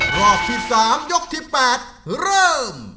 รอบที่๓ยกที่๘เริ่ม